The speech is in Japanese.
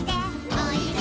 おいで。